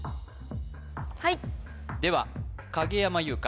はいでは影山優佳